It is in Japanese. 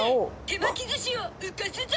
「手巻き寿司を浮かすゾ！」